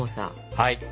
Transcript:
はい。